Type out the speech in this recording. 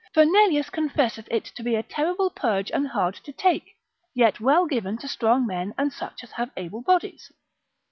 Fernelius meth. med. lib. 5. cap. 16. confesseth it to be a terrible purge and hard to take, yet well given to strong men, and such as have able bodies.